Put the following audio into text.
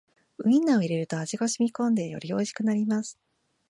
ウインナーを入れると味がしみこんでよりおいしくなります